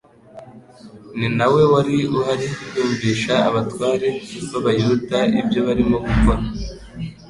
ni na we wari uhari yumvisha abatware b'abayuda ibyo barimo gukora.